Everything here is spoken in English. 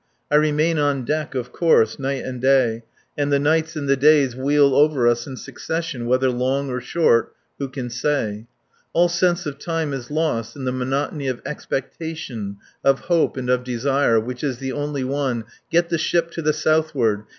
I remain on deck, of course, night and day, and the nights and the days wheel over us in succession, whether long or short, who can say? All sense of time is lost in the monotony of expectation, of hope, and of desire which is only one: Get the ship to the southward!